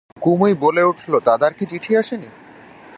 কুমুই বলে উঠল, দাদার কি চিঠি আসে নি?